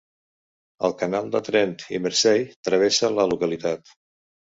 "El canal de Trent i Mersey travessa la localitat."